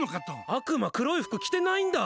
悪魔、黒い服着てないんだ。